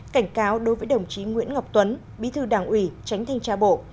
cảnh cáo đối với đồng chí nguyễn ngọc tuấn bí thư đảng ủy tránh thanh tra bộ